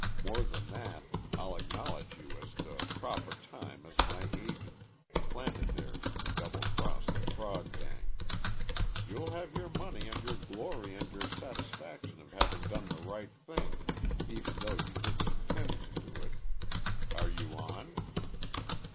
More than that, I'll acknowledge you at the proper time as my agent planted there to double cross the fraud gang. You'll have your money and your glory and your satisfaction of having done the right thing, even though you didn't intend to do it. Are you on?"